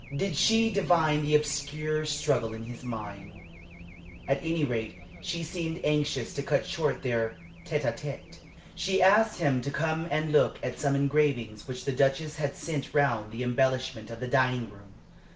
Did she divine the obscure struggle in his mind? At any rate she seemed anxious to cut short their tête à tête. She asked him to come and look at some engravings which the Duchess had sent round for the embellishment of the dining room.